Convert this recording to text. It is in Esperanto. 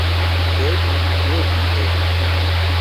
Sed, pro Dio!